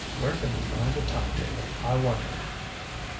Where can we find a time table, I wonder?"